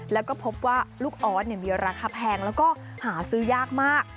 แล้วก็พบว่าลูกออสมีราคาแพงแล้วก็หาซื้อยากมาก